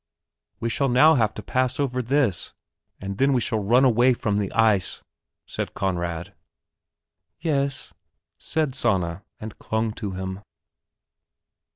"We shall now have to pass over this, and then we shall run down away from the ice," said Conrad. "Yes," said Sanna and clung to him.